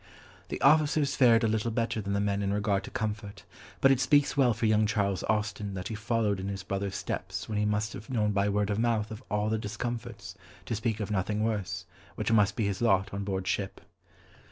The officers fared a little better than the men in regard to comfort, but it speaks well for young Charles Austen that he followed in his brother's steps when he must have known by word of mouth of all the discomforts, to speak of nothing worse, which must be his lot on board ship.